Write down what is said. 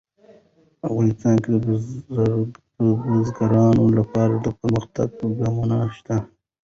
افغانستان کې د بزګان لپاره دپرمختیا پروګرامونه شته.